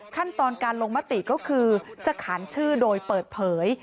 ขั้นตอนการลงมติก็คือจะขานชื่อโดยเปิดเผย